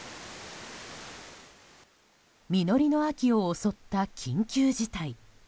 実りの秋を襲った緊急事態。